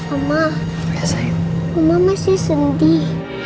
oma oma masih sedih